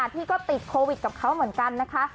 ที่ก็ติดโควิดกับเขาเหมือนกันนะคะ